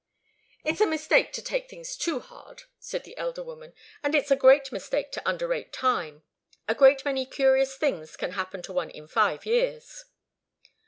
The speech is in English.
"It's a mistake to take things too hard," said the elder woman. "And it's a great mistake to underrate time. A great many curious things can happen to one in five years."